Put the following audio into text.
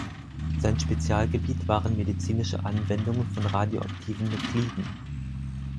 Sein Spezialgebiet waren medizinische Anwendungen von radioaktiven Nukliden.